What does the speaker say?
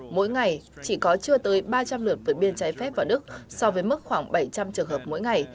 mỗi ngày chỉ có chưa tới ba trăm linh lượt vượt biên trái phép vào đức so với mức khoảng bảy trăm linh trường hợp mỗi ngày